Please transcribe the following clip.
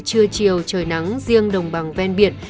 chiều trời nắng riêng đồng bằng ven biển